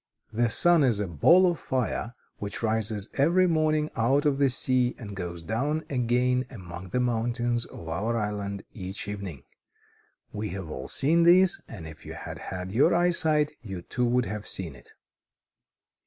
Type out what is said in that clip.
The sun is a ball of fire, which rises every morning out of the sea and goes down again among the mountains of our island each evening. We have all seen this, and if you had had your eyesight you too would have seen it."